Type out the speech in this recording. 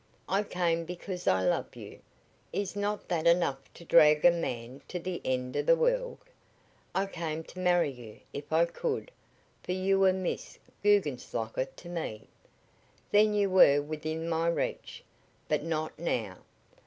I came because I love you. Is not that enough to drag a man to the end of the world? I came to marry you if I could, for you were Miss Guggenslocker to me. Then you were within my reach, but not now!